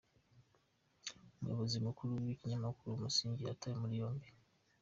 Umuyobozi Mukuru w’Ikinyamakuru Umusingi yatawe muri yombi